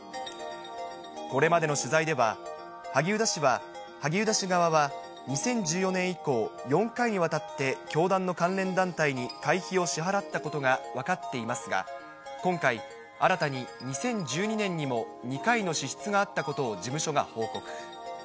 これまでの取材では、萩生田氏側は、２０１４年以降、４回にわたって教団の関連団体に会費を支払ったことが分かっていますが、今回、新たに２０１２年にも２回の支出があったことを事務所が報告。